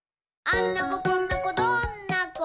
「あんな子こんな子どんな子？